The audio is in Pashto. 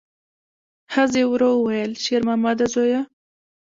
ښځې ورو وویل: شېرمامده زویه!